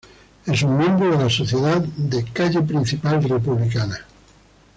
Es un miembro de la Sociedad de Calle Principal Republicana.